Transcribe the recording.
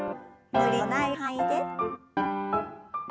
無理のない範囲で。